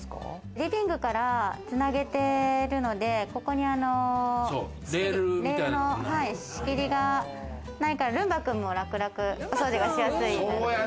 リビングからつなげてるので、ここにレールの仕切りがないからルンバ君も楽々お掃除がしやすい。